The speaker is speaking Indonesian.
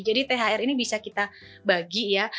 jadi thr ini bisa kita bagi ya